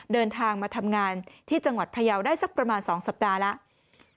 เดินทางมาทำงานที่จังหวัดพยาวได้สักประมาณ๒สัปดาห์แล้ว